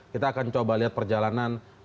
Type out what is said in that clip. kita akan coba lihat perjalanan nama stiano vanto